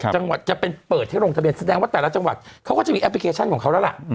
จังหวัดจะเป็นเปิดให้ลงทะเบียนแสดงว่าแต่ละจังหวัดเขาก็จะมีแอปพลิเคชันของเขาแล้วล่ะ